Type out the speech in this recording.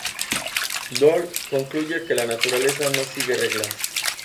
Doll concluye que la "Naturaleza no sigue reglas.